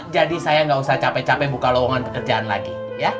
jadi saya gak usah capek capek buka lowongan pekerjaan lagi